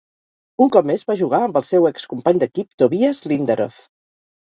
Un cop més va jugar amb el seu excompany d'equip Tobias Linderoth.